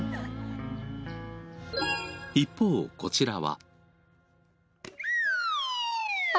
一方こちらは。